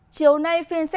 chiều nay phiên xét xét